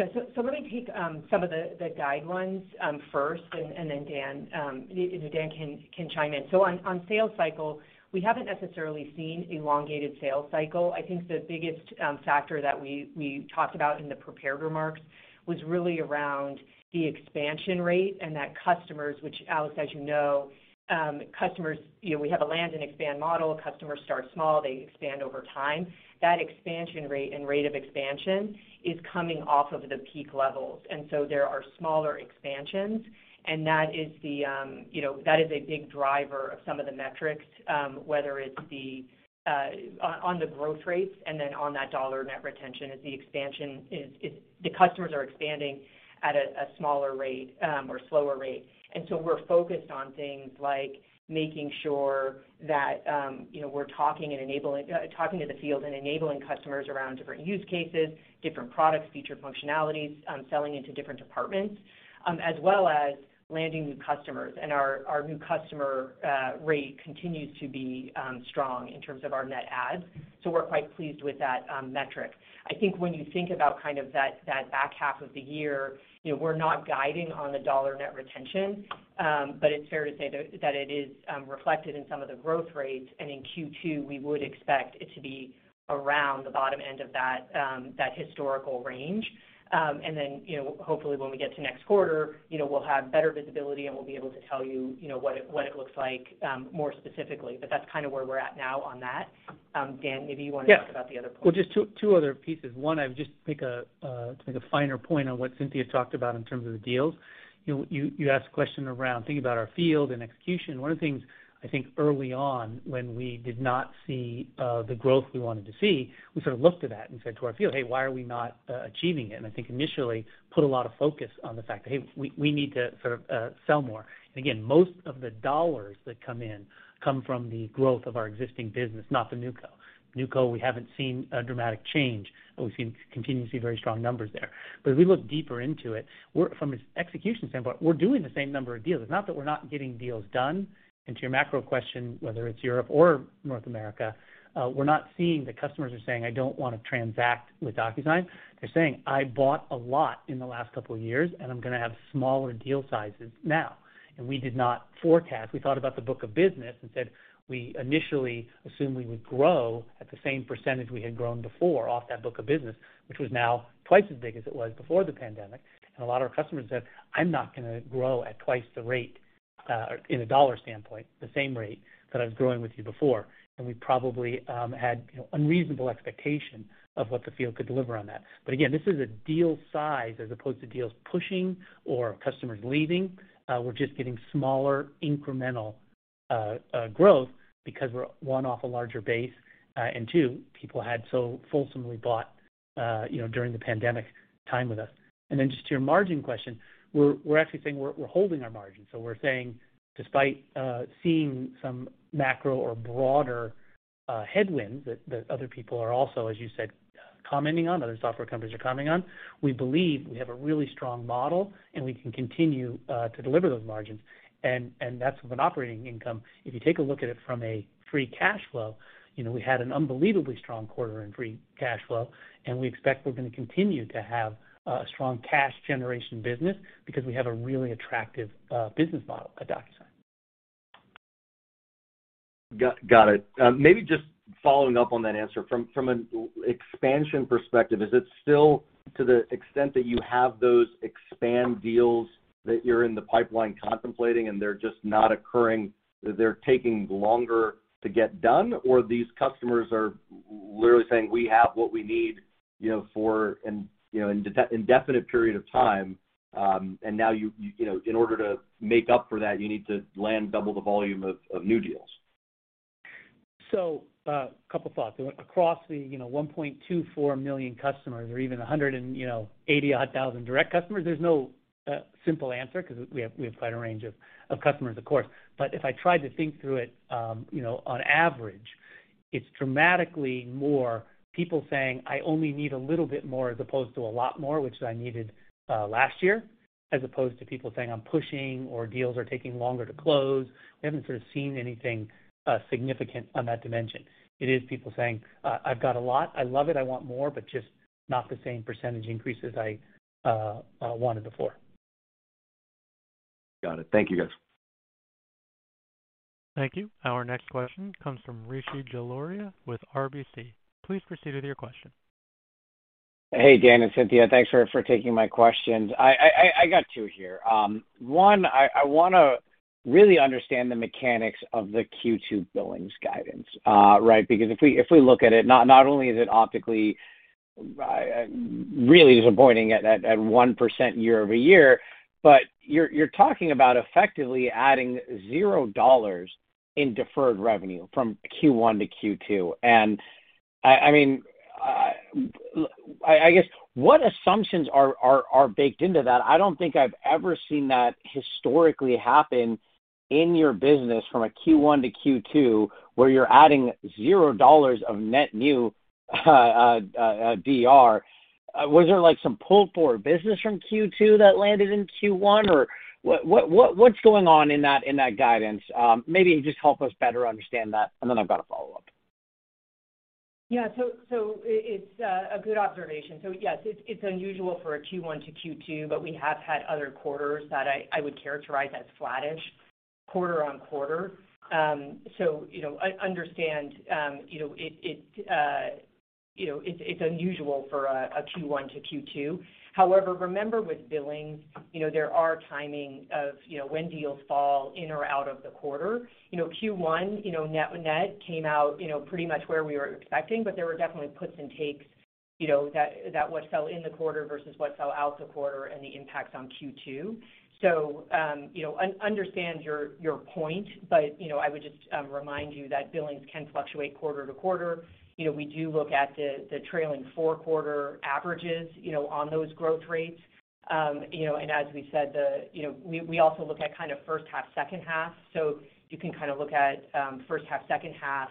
S4: Yeah. Let me take some of the guidance first, and then Dan, you know, Dan can chime in. On sales cycle, we haven't necessarily seen elongated sales cycle. I think the biggest factor that we talked about in the prepared remarks was really around the expansion rate and that customers, which Alex, as you know, customers, you know, we have a land and expand model. Customers start small, they expand over time. That expansion rate and rate of expansion is coming off of the peak levels. There are smaller expansions, and that is, you know, a big driver of some of the metrics, whether it's on the growth rates and then on that dollar net retention as the expansion is the customers are expanding at a smaller rate or slower rate. We're focused on things like making sure that, you know, talking to the field and enabling customers around different use cases, different products, featured functionalities, selling into different departments, as well as landing new customers. Our new customer rate continues to be strong in terms of our net adds. We're quite pleased with that metric. I think when you think about kind of that back half of the year, you know, we're not guiding on the dollar net retention, but it's fair to say that that it is reflected in some of the growth rates. In Q2, we would expect it to be around the bottom end of that historical range. Then, you know, hopefully when we get to next quarter, you know, we'll have better visibility, and we'll be able to tell you know, what it looks like, more specifically. That's kind of where we're at now on that. Dan, maybe you wanna talk about the other point.
S3: Yeah. Well, just two other pieces. One, I would just make a finer point on what Cynthia talked about in terms of the deals. You asked a question around thinking about our field and execution. One of the things I think early on when we did not see the growth we wanted to see, we sort of looked at that and said to our field, "Hey, why are we not achieving it?" I think initially put a lot of focus on the fact that, "Hey, we need to sort of sell more." Again, most of the dollars that come in come from the growth of our existing business, not the NewCo. NewCo, we haven't seen a dramatic change, but we continue to see very strong numbers there. If we look deeper into it, we're From an execution standpoint, we're doing the same number of deals. It's not that we're not getting deals done. To your macro question, whether it's Europe or North America, we're not seeing the customers are saying, "I don't wanna transact with DocuSign." They're saying, "I bought a lot in the last couple of years, and I'm gonna have smaller deal sizes now." We did not forecast. We thought about the book of business and said we initially assumed we would grow at the same percentage we had grown before off that book of business, which was now twice as big as it was before the pandemic. A lot of our customers said, "I'm not gonna grow at twice the rate, in a dollar standpoint, the same rate that I was growing with you before." We probably had, you know, unreasonable expectation of what the field could deliver on that. Again, this is a deal size as opposed to deals pushing or customers leaving. We're just getting smaller incremental growth because we're, one, off a larger base, and two, people had so fulsomely bought, you know, during the pandemic time with us. Just to your margin question, we're actually saying we're holding our margin. We're saying despite seeing some macro or broader headwinds that other people are also, as you said, commenting on, other software companies are commenting on. We believe we have a really strong model, and we can continue to deliver those margins. That's with an operating income. If you take a look at it from a free cash flow, you know, we had an unbelievably strong quarter in free cash flow, and we expect we're gonna continue to have a strong cash generation business because we have a really attractive business model at DocuSign.
S11: Got it. Maybe just following up on that answer. From an expansion perspective, is it still to the extent that you have those expand deals that you're in the pipeline contemplating and they're just not occurring, they're taking longer to get done? Or these customers are literally saying, "We have what we need, you know, for an indefinite period of time," and now you know, in order to make up for that, you need to land double the volume of new deals?
S3: A couple thoughts. Across the, you know, $1.24 million customers or even 180-odd thousand direct customers, there's no simple answer 'cause we have quite a range of customers, of course. If I tried to think through it, you know, on average, it's dramatically more people saying, "I only need a little bit more as opposed to a lot more, which I needed last year," as opposed to people saying, "I'm pushing," or deals are taking longer to close. We haven't sort of seen anything significant on that dimension. It is people saying, "I've got a lot. I love it. I want more, but just not the same percentage increases I wanted before.
S11: Got it. Thank you, guys.
S1: Thank you. Our next question comes from Rishi Jaluria with RBC. Please proceed with your question.
S12: Hey, Dan and Cynthia. Thanks for taking my questions. I got two here. One, I wanna really understand the mechanics of the Q2 billings guidance, right? Because if we look at it, not only is it optically really disappointing at 1% year-over-year, but you're talking about effectively adding $0 in deferred revenue from Q1 to Q2. I mean, I guess what assumptions are baked into that? I don't think I've ever seen that historically happen in your business from a Q1 to Q2, where you're adding $0 of net new DR. Was there, like, some pull for business from Q2 that landed in Q1? What's going on in that guidance? Maybe just help us better understand that, and then I've got a follow-up.
S4: Yeah. It's a good observation. Yes, it's unusual for a Q1 to Q2, but we have had other quarters that I would characterize as flattish quarter-over-quarter. You know, I understand, you know, it's unusual for a Q1 to Q2. However, remember, with billings, you know, there are timing of, you know, when deals fall in or out of the quarter. You know, Q1, you know, net came out, you know, pretty much where we were expecting, but there were definitely puts and takes, you know, that what fell in the quarter versus what fell out the quarter and the impacts on Q2. Understand your point, but you know, I would just remind you that billings can fluctuate quarter to quarter. You know, we do look at the trailing four quarter averages, you know, on those growth rates. As we said, you know, we also look at kind of first half, second half. You can kind of look at first half, second half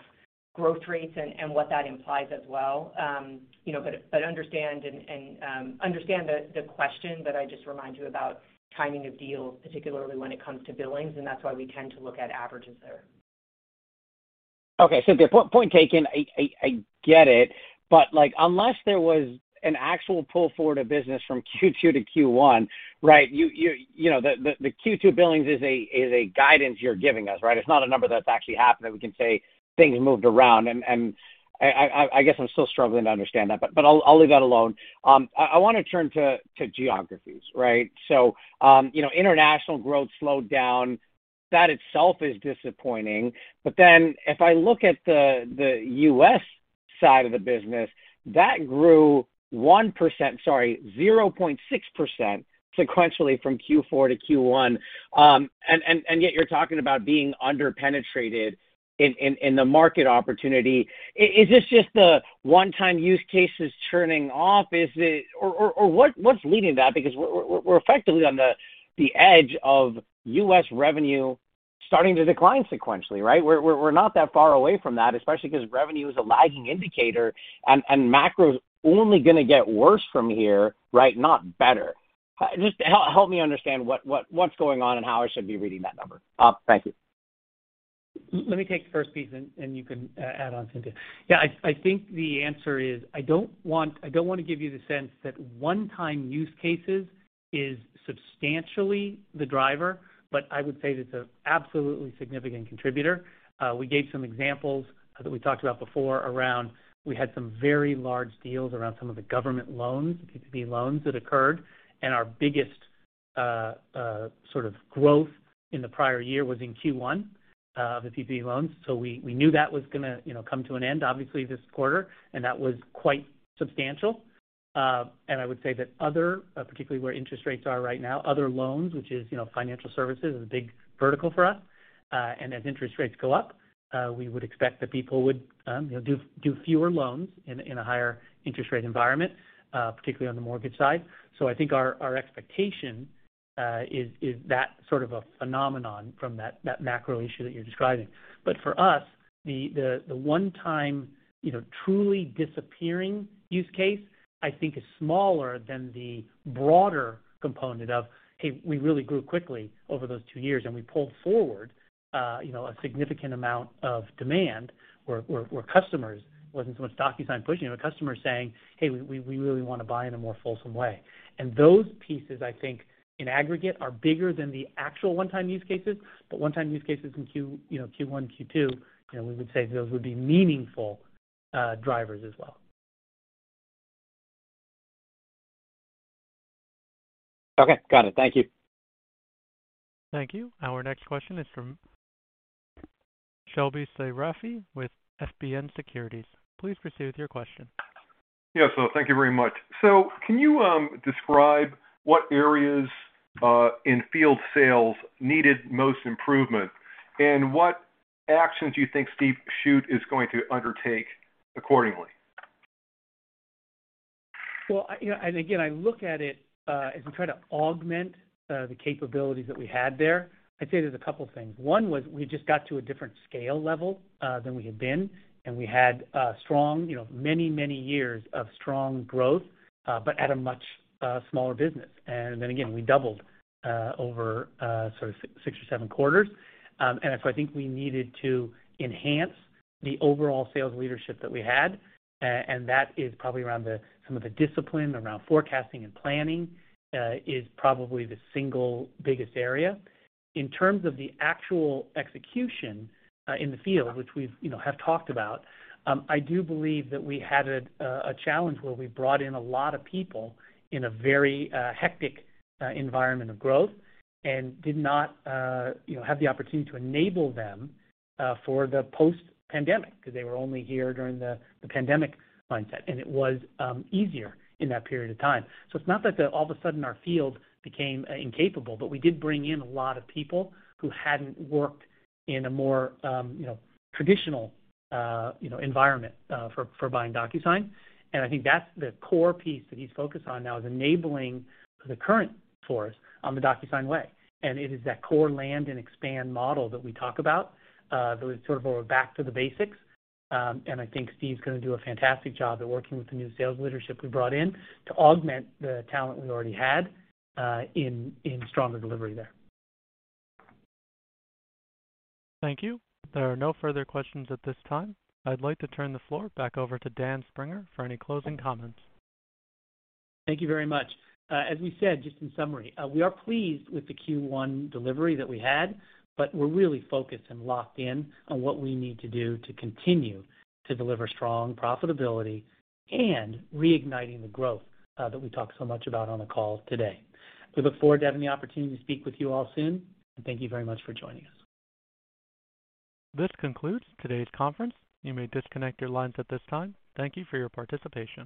S4: growth rates and what that implies as well. You know, but understand the question, but I just remind you about timing of deals, particularly when it comes to billings, and that's why we tend to look at averages there.
S12: Okay, Cynthia, point taken. I get it. Like, unless there was an actual pull forward of business from Q2 to Q1, right? You know, the Q2 billings is a guidance you're giving us, right? It's not a number that's actually happened that we can say things moved around. I guess I'm still struggling to understand that, but I'll leave that alone. I wanna turn to geographies, right? You know, international growth slowed down. That itself is disappointing. Then if I look at the U.S. side of the business, that grew 1%. Sorry, 0.6% sequentially from Q4 to Q1. And yet you're talking about being under-penetrated in the market opportunity. Is this just the one-time use cases churning off? Is it or what's leading that? Because we're effectively on the edge of U.S. revenue starting to decline sequentially, right? We're not that far away from that, especially 'cause revenue is a lagging indicator and macro's only gonna get worse from here, right? Not better. Just help me understand what's going on and how I should be reading that number. Thank you.
S3: Let me take the first piece, and you can add on, Cynthia. Yeah, I think the answer is, I don't want, I don't wanna give you the sense that one-time use cases is substantially the driver, but I would say it's an absolutely significant contributor. We gave some examples that we talked about before around, we had some very large deals around some of the government loans, PPP loans that occurred, and our biggest sort of growth in the prior year was in Q1, the PPP loans. We knew that was gonna come to an end, obviously this quarter, and that was quite substantial. I would say that other, particularly where interest rates are right now, other loans, which is, you know, financial services is a big vertical for us. As interest rates go up, we would expect that people would, you know, do fewer loans in a higher interest rate environment, particularly on the mortgage side. I think our expectation is that sort of a phenomenon from that macro issue that you're describing. For us, the one-time, you know, truly disappearing use case, I think is smaller than the broader component of, hey, we really grew quickly over those two years, and we pulled forward, you know, a significant amount of demand where customers, it wasn't so much DocuSign pushing, but customers saying, "Hey, we really wanna buy in a more fulsome way." Those pieces, I think, in aggregate, are bigger than the actual one-time use cases. one-time use cases in Q, you know, Q1, Q2, you know, we would say those would be meaningful drivers as well.
S12: Okay. Got it. Thank you.
S1: Thank you. Our next question is from Shelby Seyrafi with FBN Securities. Please proceed with your question.
S13: Yes. Thank you very much. Can you describe what areas in field sales needed most improvement? What actions you think Steve Shute is going to undertake accordingly?
S3: Well, you know, and again, I look at it as we try to augment the capabilities that we had there. I'd say there's a couple things. One was we just got to a different scale level than we had been, and we had strong, you know, many, many years of strong growth but at a much smaller business. Then again, we doubled over sort of six or seven quarters. I think we needed to enhance the overall sales leadership that we had. That is probably around some of the discipline around forecasting and planning is probably the single biggest area. In terms of the actual execution in the field, which we've you know talked about. I do believe that we had a challenge where we brought in a lot of people in a very hectic environment of growth and did not, you know, have the opportunity to enable them for the post-pandemic because they were only here during the pandemic mindset. It was easier in that period of time. It's not that all of a sudden our field became incapable, but we did bring in a lot of people who hadn't worked in a more, you know, traditional, you know, environment for buying DocuSign. I think that's the core piece that he's focused on now, is enabling the current force on the DocuSign way. It is that core land and expand model that we talk about that was sort of our back to the basics. I think Steve's gonna do a fantastic job at working with the new sales leadership we brought in to augment the talent we already had, in stronger delivery there.
S1: Thank you. There are no further questions at this time. I'd like to turn the floor back over to Dan Springer for any closing comments.
S3: Thank you very much. As we said, just in summary, we are pleased with the Q1 delivery that we had. We're really focused and locked in on what we need to do to continue to deliver strong profitability and reigniting the growth that we talked so much about on the call today. We look forward to having the opportunity to speak with you all soon, and thank you very much for joining us.
S1: This concludes today's conference. You may disconnect your lines at this time. Thank you for your participation.